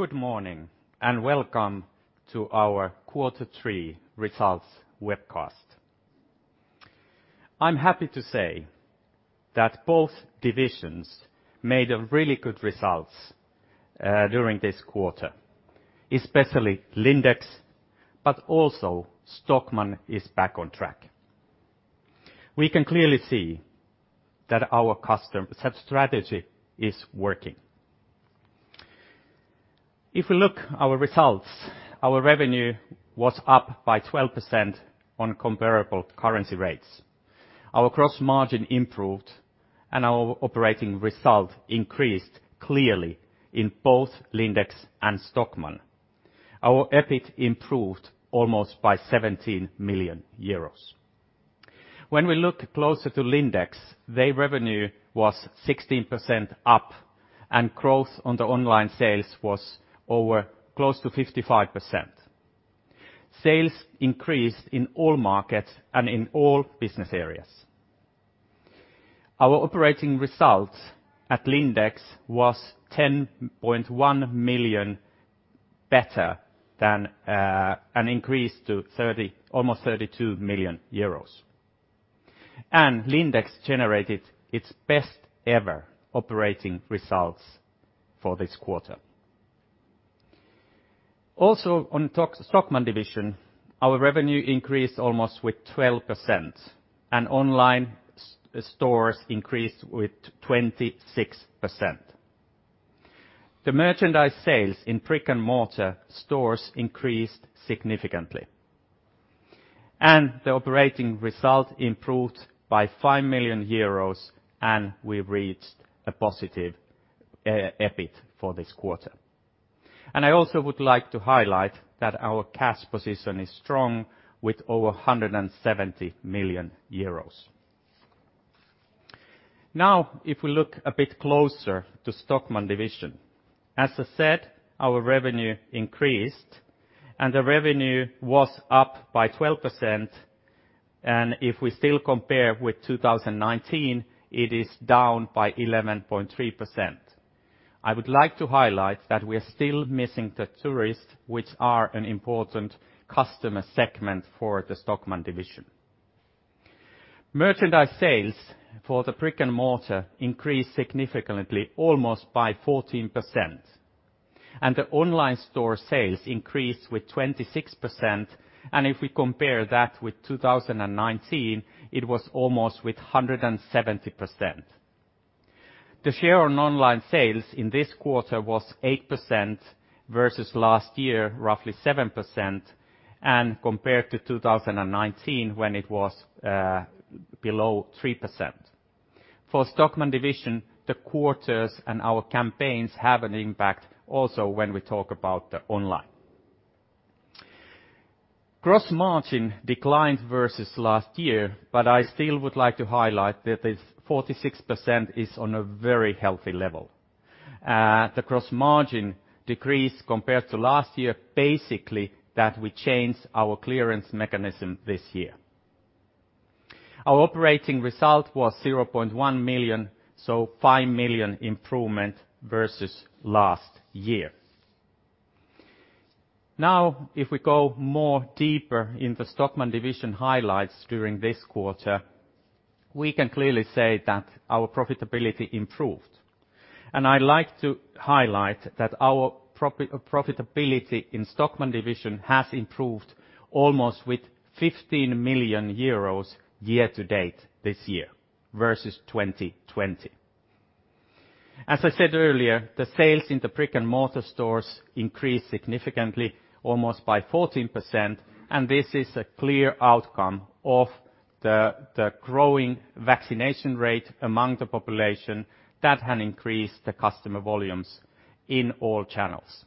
Good morning, and welcome to our quarter three results webcast. I'm happy to say that both divisions made really good results during this quarter, especially Lindex, but also Stockmann is back on track. We can clearly see that our customer strategy is working. If we look at our results, our revenue was up by 12% on comparable currency rates. Our gross margin improved, and our operating result increased clearly in both Lindex and Stockmann. Our EBIT improved almost by 17 million euros. When we look closer to Lindex, their revenue was 16% up, and growth in the online sales was over, close to 55%. Sales increased in all markets and in all business areas. Our operating results at Lindex was 10.1 million better than an increase to 30, almost 32 million euros. Lindex generated its best ever operating results for this quarter. On the Stockmann division, our revenue increased almost with 12%, and online stores increased with 26%. The merchandise sales in brick-and-mortar stores increased significantly, and the operating result improved by 5 million euros, and we reached a positive EBIT for this quarter. I also would like to highlight that our cash position is strong with over 170 million euros. Now, if we look a bit closer to Stockmann division, as I said, our revenue increased, and the revenue was up by 12%. If we still compare with 2019, it is down by 11.3%. I would like to highlight that we are still missing the tourists, which are an important customer segment for the Stockmann division. Merchandise sales for the brick-and-mortar increased significantly almost by 14%, and the online store sales increased with 26%. If we compare that with 2019, it was almost with 170%. The share on online sales in this quarter was 8% versus last year, roughly 7%, and compared to 2019 when it was below 3%. For Stockmann division, the quarters and our campaigns have an impact also when we talk about the online. Gross margin declined versus last year, but I still would like to highlight that this 46% is on a very healthy level. The gross margin decrease compared to last year, basically, that we changed our clearance mechanism this year. Our operating result was 0.1 million, so 5 million improvement versus last year. Now, if we go more deeper in the Stockmann division highlights during this quarter, we can clearly say that our profitability improved. I like to highlight that our profitability in Stockmann division has improved almost with 15 million euros year-to-date this year versus 2020. As I said earlier, the sales in the brick-and-mortar stores increased significantly almost by 14%, and this is a clear outcome of the growing vaccination rate among the population that had increased the customer volumes in all channels.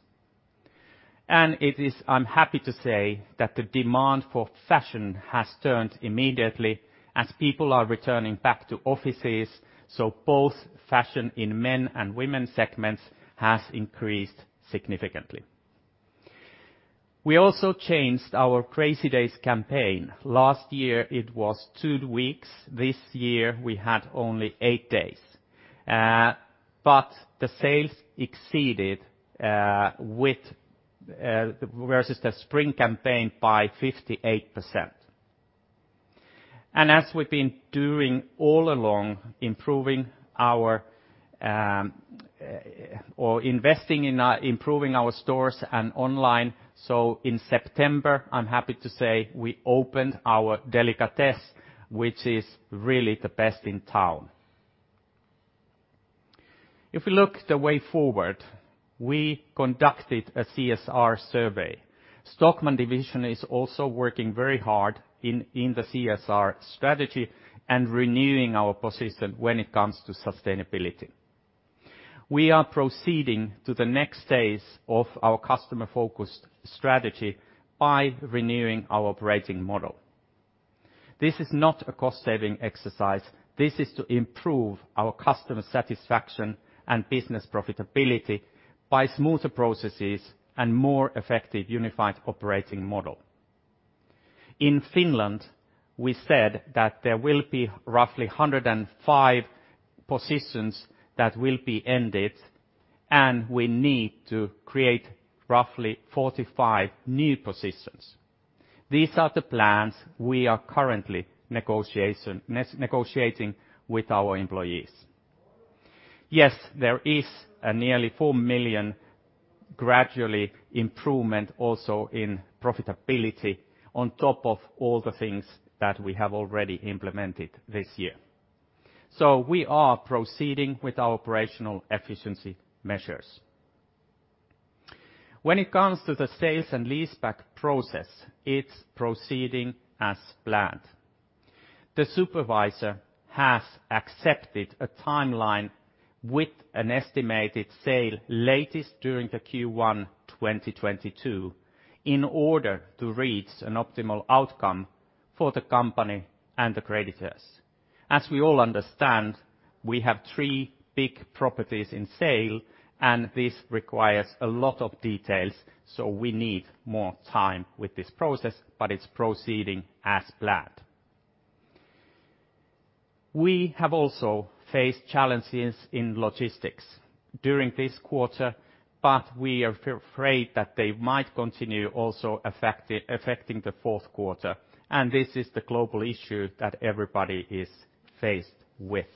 I'm happy to say that the demand for fashion has turned immediately as people are returning back to offices, so both fashion in men and women segments has increased significantly. We also changed our Crazy Days campaign. Last year, it was two weeks. This year, we had only eight days. But the sales exceeded versus the spring campaign by 58%. As we've been doing all along, improving our or investing in improving our stores and online, in September, I'm happy to say we opened our Delicatessen, which is really the best in town. If we look the way forward, we conducted a CSR survey. Stockmann division is also working very hard in the CSR strategy and renewing our position when it comes to sustainability. We are proceeding to the next phase of our customer-focused strategy by renewing our operating model. This is not a cost-saving exercise. This is to improve our customer satisfaction and business profitability by smoother processes and more effective unified operating model. In Finland, we said that there will be roughly 105 positions that will be ended, and we need to create roughly 45 new positions. These are the plans we are currently negotiating with our employees. Yes, there is nearly 4 million gradual improvement also in profitability on top of all the things that we have already implemented this year. We are proceeding with our operational efficiency measures. When it comes to the sale and leaseback process, it's proceeding as planned. The supervisor has accepted a timeline with an estimated sale latest during Q1 2022, in order to reach an optimal outcome for the company and the creditors. As we all understand, we have three big properties in sale, and this requires a lot of details, so we need more time with this process, but it's proceeding as planned. We have also faced challenges in logistics during this quarter, but we are afraid that they might continue also affecting the fourth quarter, and this is the global issue that everybody is faced with.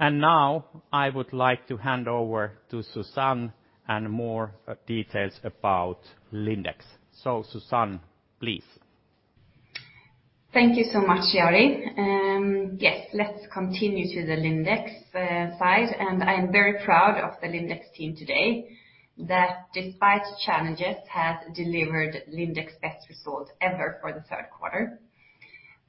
Now I would like to hand over to Susanne and more details about Lindex. Susanne, please. Thank you so much, Jari. Yes, let's continue to the Lindex side. I am very proud of the Lindex team today that despite challenges, have delivered Lindex best results ever for the third quarter.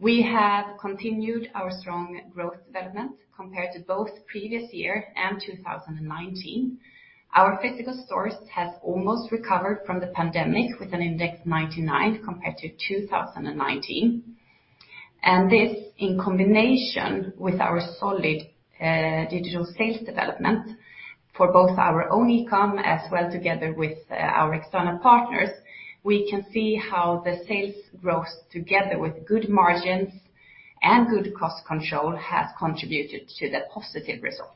We have continued our strong growth development compared to both previous year and 2019. Our physical stores have almost recovered from the pandemic with an index 99 compared to 2019. This, in combination with our solid, digital sales development for both our own e-com as well together with, our external partners, we can see how the sales growth together with good margins and good cost control has contributed to the positive results.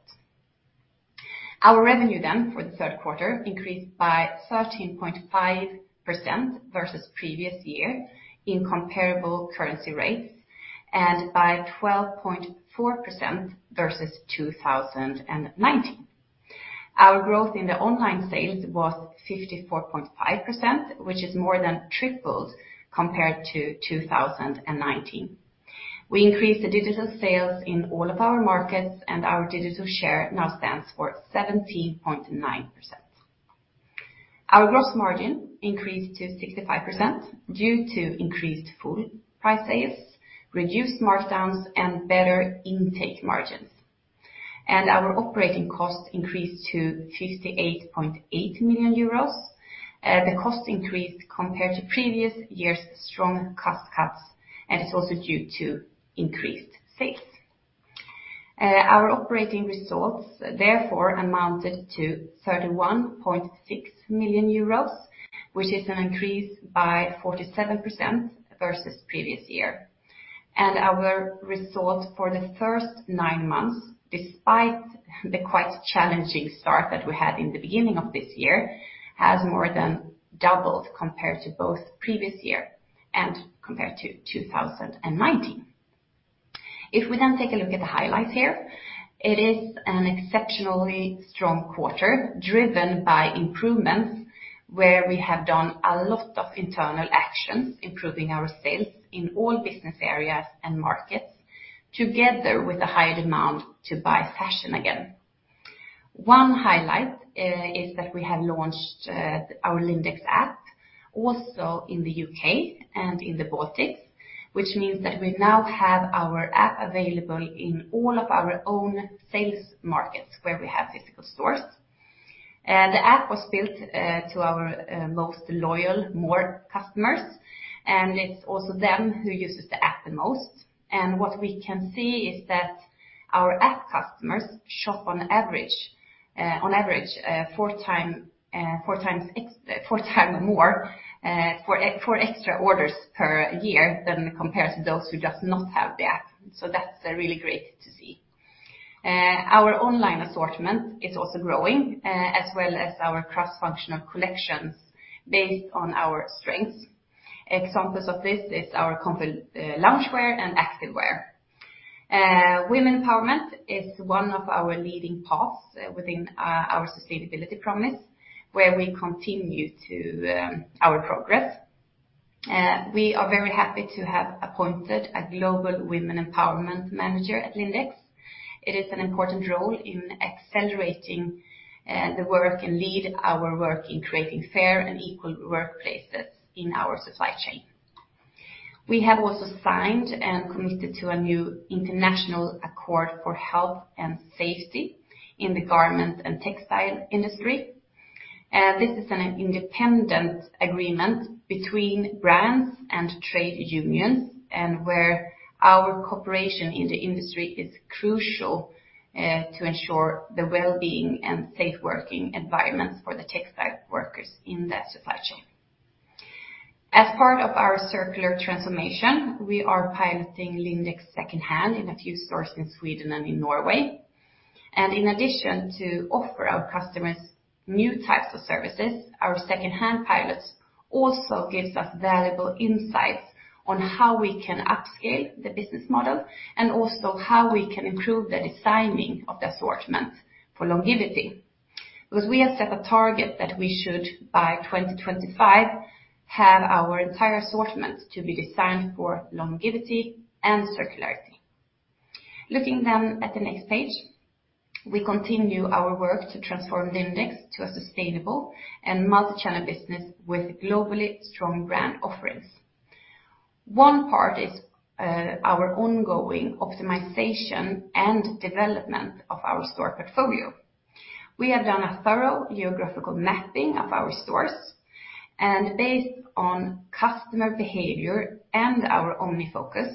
Our revenue for the third quarter increased by 13.5% versus previous year in comparable currency rates and by 12.4% versus 2019. Our growth in the online sales was 54.5%, which is more than tripled compared to 2019. We increased the digital sales in all of our markets, and our digital share now stands for 17.9%. Our gross margin increased to 65% due to increased full price sales, reduced markdowns, and better intake margins. Our operating costs increased to 58.8 million euros. The cost increased compared to previous years' strong cost cuts, and it's also due to increased sales. Our operating results therefore amounted to 31.6 million euros, which is an increase by 47% versus previous year. Our results for the first nine months, despite the quite challenging start that we had in the beginning of this year, has more than doubled compared to both previous year and compared to 2019. If we take a look at the highlights here, it is an exceptionally strong quarter driven by improvements where we have done a lot of internal actions, improving our sales in all business areas and markets together with a high demand to buy fashion again. One highlight is that we have launched our Lindex app also in the U.K. and in the Baltics, which means that we now have our app available in all of our own sales markets where we have physical stores. The app was built to our most loyal customers, and it's also them who uses the app the most. What we can see is that our app customers shop on average four extra orders per year than compared to those who does not have the app. That's really great to see. Our online assortment is also growing, as well as our cross-functional collections based on our strengths. Examples of this is our loungewear and activewear. Women empowerment is one of our leading paths within our sustainability promise, where we continue to our progress. We are very happy to have appointed a Global Women Empowerment Manager at Lindex. It is an important role in accelerating the work and lead our work in creating fair and equal workplaces in our supply chain. We have also signed and committed to a new International Accord for Health and Safety in the Textile and Garment Industry. This is an independent agreement between brands and trade unions and where our cooperation in the industry is crucial, to ensure the well-being and safe working environments for the textile workers in that supply chain. As part of our circular transformation, we are piloting Lindex secondhand in a few stores in Sweden and in Norway. In addition to offer our customers new types of services, our secondhand pilots also gives us valuable insights on how we can upscale the business model, and also how we can improve the designing of the assortment for longevity. Because we have set a target that we should, by 2025, have our entire assortment to be designed for longevity and circularity. Looking at the next page, we continue our work to transform Lindex to a sustainable and omnichannel business with globally strong brand offerings. One part is our ongoing optimization and development of our store portfolio. We have done a thorough geographical mapping of our stores, and based on customer behavior and our omni focus,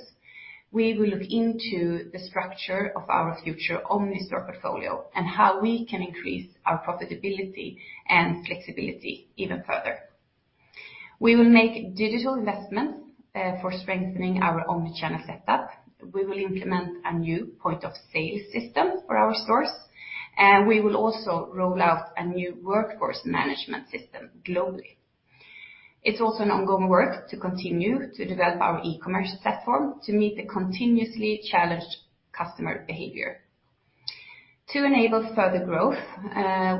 we will look into the structure of our future omni store portfolio and how we can increase our profitability and flexibility even further. We will make digital investments for strengthening our omnichannel setup. We will implement a new point of sale system for our stores, and we will also roll out a new workforce management system globally. It's also an ongoing work to continue to develop our e-commerce platform to meet the continuously changing customer behavior. To enable further growth,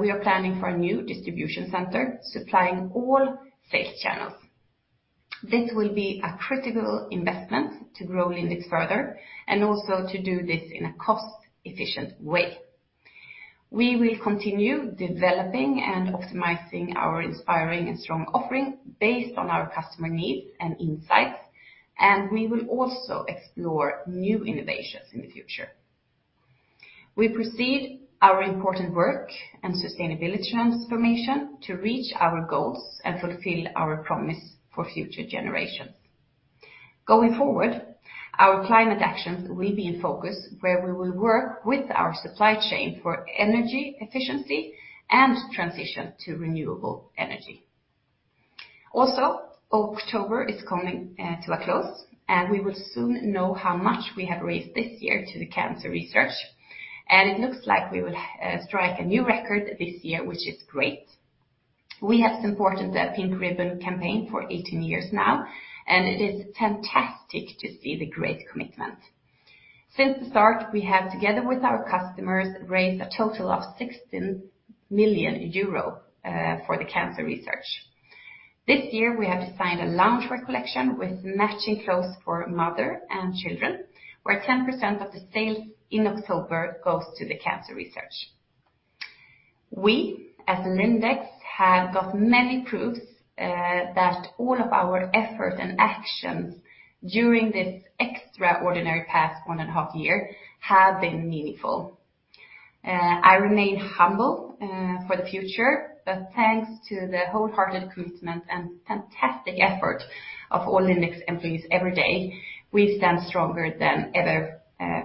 we are planning for a new distribution center supplying all sales channels. This will be a critical investment to grow Lindex further and also to do this in a cost-efficient way. We will continue developing and optimizing our inspiring and strong offering based on our customer needs and insights, and we will also explore new innovations in the future. We proceed with our important work and sustainability transformation to reach our goals and fulfill our promise for future generations. Going forward, our climate actions will be in focus, where we will work with our supply chain for energy efficiency and transition to renewable energy. Also, October is coming to a close, and we will soon know how much we have raised this year to the cancer research. It looks like we will strike a new record this year, which is great. We have supported the Pink Ribbon campaign for 18 years now, and it is fantastic to see the great commitment. Since the start, we have, together with our customers, raised a total of 60 million euro for the cancer research. This year, we have designed a loungewear collection with matching clothes for mother and children, where 10% of the sales in October goes to the cancer research. We, as Lindex, have got many proofs that all of our effort and actions during this extraordinary past 1.5 year have been meaningful. I remain humble for the future, but thanks to the wholehearted commitment and fantastic effort of all Lindex employees every day, we stand stronger than ever in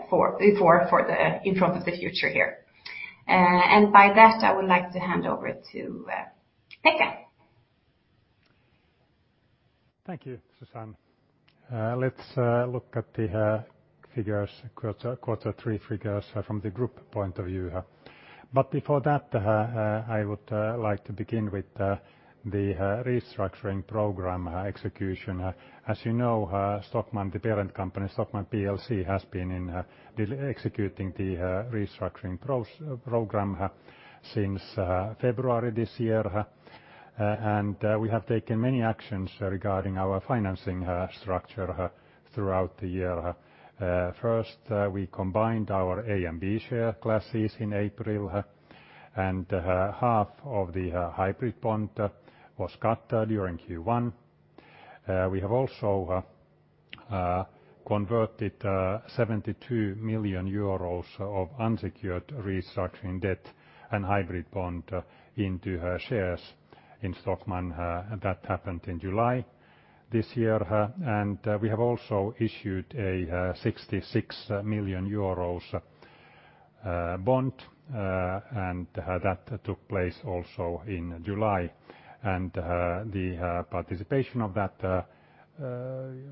front of the future here. By that, I would like to hand over to Pekka. Thank you, Susanne. Let's look at the quarter three figures from the group point of view. Before that, I would like to begin with the restructuring program execution. As you know, Stockmann, the parent company, Stockmann plc, has been executing the restructuring program since February this year. We have taken many actions regarding our financing structure throughout the year. First, we combined our A and B share classes in April, and half of the hybrid bond was cut during Q1. We have also converted 72 million euros of unsecured restructuring debt and hybrid bond into shares in Stockmann. That happened in July this year. We have also issued a 66 million euros bond, and that took place also in July. The participation of that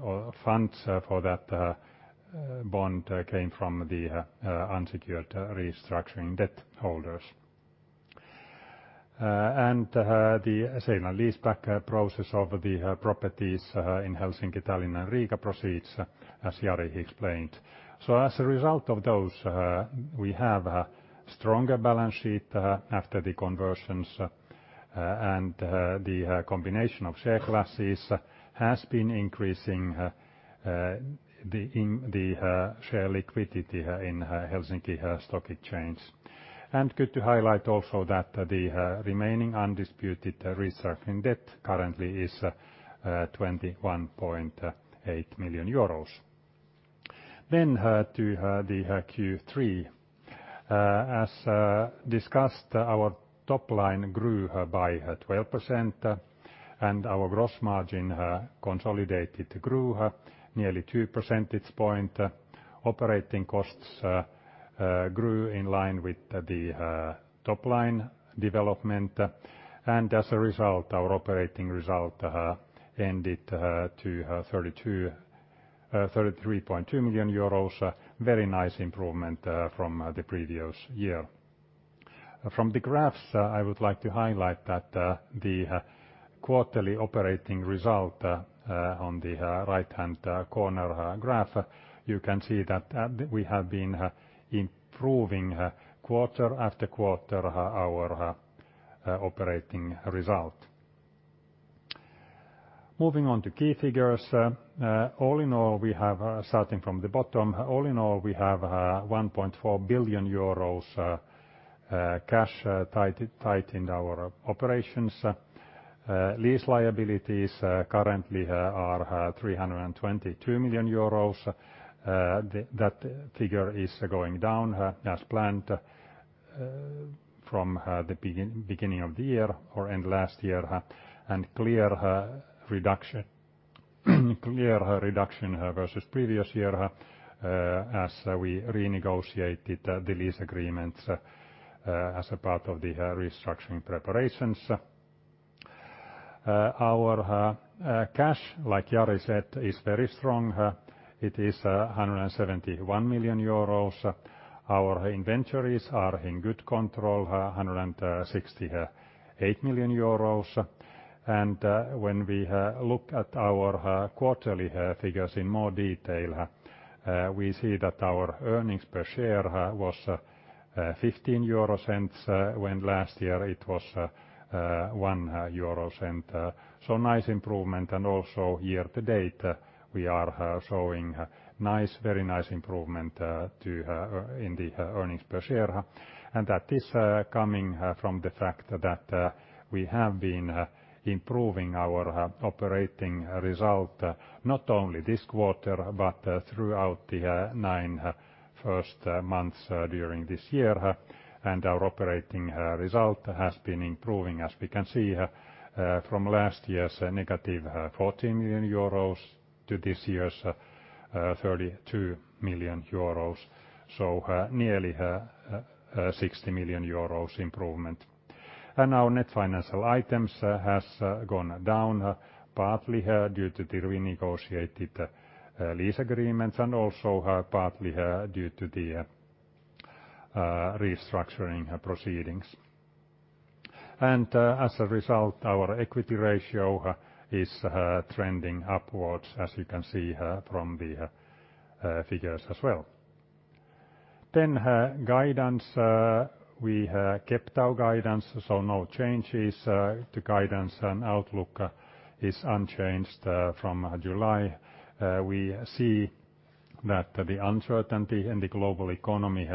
or funds for that bond came from the unsecured restructuring debt holders. The sale and leaseback process of the properties in Helsinki, Tallinn and Riga proceeds, as Jari explained. As a result of those, we have a stronger balance sheet after the conversions, and the combination of share classes has been increasing the share liquidity in Helsinki Stock Exchange. Good to highlight also that the remaining undisputed restructuring debt currently is 21.8 million euros. To the Q3. As discussed, our top line grew by 12%, and our gross margin consolidated grew nearly 2 percentage points. Operating costs grew in line with the top line development. As a result, our operating result ended at 33.2 million euros. Very nice improvement from the previous year. From the graphs, I would like to highlight that the quarterly operating result on the right-hand corner graph you can see that we have been improving quarter after quarter our operating result. Moving on to key figures. All in all, starting from the bottom, we have 1.4 billion euros cash tied in our operations. Lease liabilities currently are 322 million euros. That figure is going down as planned from the beginning of the year or end last year, and clear reduction versus previous year as we renegotiated the lease agreements as a part of the restructuring preparations. Our cash, like Jari said, is very strong. It is 171 million euros. Our inventories are in good control, 168 million euros. When we look at our quarterly figures in more detail, we see that our earnings per share was 0.15, when last year it was 0.01. Nice improvement. Also year-to-date, we are showing a nice, very nice improvement in the earnings per share. That is coming from the fact that we have been improving our operating result not only this quarter, but throughout the first nine months during this year. Our operating result has been improving, as we can see from last year's -14 million euros to this year's 32 million euros. Nearly 60 million euros improvement. Our net financial items has gone down partly due to the renegotiated lease agreements and also partly due to the restructuring proceedings. As a result, our equity ratio is trending upwards, as you can see from the figures as well. Guidance. We kept our guidance, so no changes. The guidance and outlook is unchanged from July. We see that the uncertainty in the global economy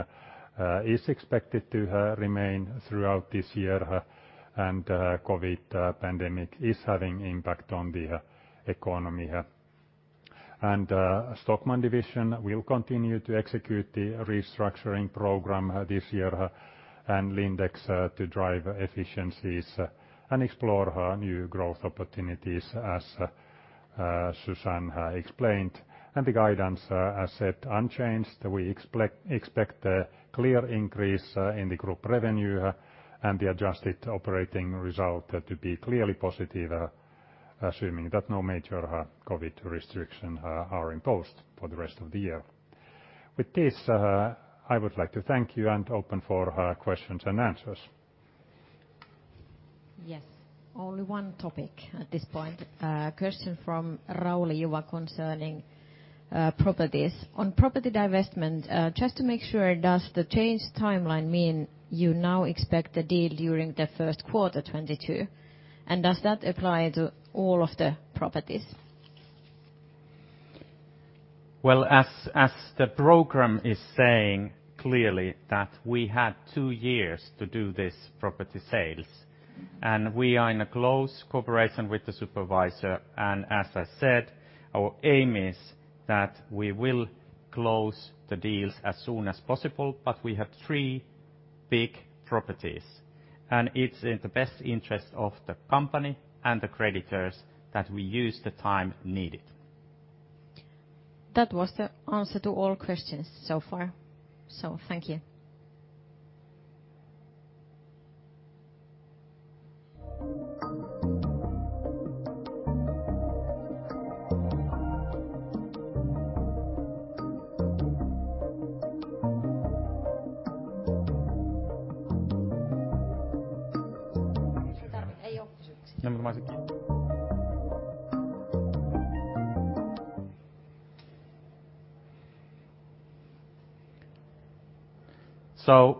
is expected to remain throughout this year, and COVID pandemic is having impact on the economy. Stockmann division will continue to execute the restructuring program this year and Lindex to drive efficiencies and explore new growth opportunities, as Susanne explained. The guidance, as said, unchanged. We expect a clear increase in the group revenue and the adjusted operating result to be clearly positive, assuming that no major COVID restrictions are imposed for the rest of the year. With this, I would like to thank you and open for questions and answers. Yes. Only one topic at this point. Question from Rauli Juva concerning properties. On property divestment, just to make sure, does the changed timeline mean you now expect the deal during the first quarter 2022, and does that apply to all of the properties? Well, as the program is saying clearly, that we had two years to do this property sales, and we are in a close cooperation with the supervisor. As I said, our aim is that we will close the deals as soon as possible, but we have three big properties, and it's in the best interest of the company and the creditors that we use the time needed. That was the answer to all questions so far. Thank you.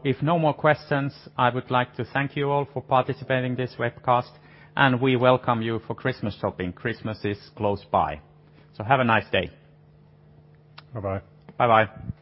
If no more questions, I would like to thank you all for participating in this webcast, and we welcome you for Christmas shopping. Christmas is close by. Have a nice day. Bye-bye. Bye-bye.